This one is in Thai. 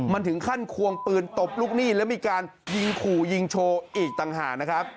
มันถึงขั้นควงปืนตบลูกหนี้แล้วมีการยิงขู่ยิงโชว์อีกต่างหากนะครับ